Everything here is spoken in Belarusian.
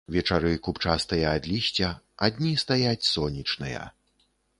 Вечары купчастыя ад лісця, а дні стаяць сонечныя.